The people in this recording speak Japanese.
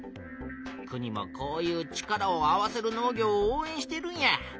国もこういう「力を合わせる農業」をおうえんしているんや。